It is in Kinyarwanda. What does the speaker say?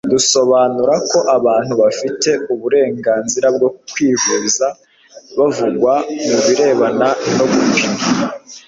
dusobanura ko abantu bafite uburenganzira bwo kwivuza buvugwa mu birebana no gupima